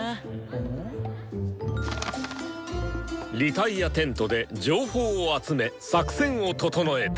脱落テントで情報を集め作戦を整えた。